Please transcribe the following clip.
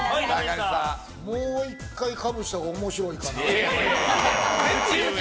もう１回、かぶした方が面白いかな？